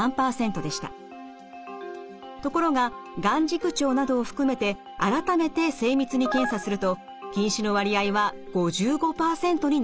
ところが眼軸長などを含めて改めて精密に検査すると近視の割合は５５％になっていました。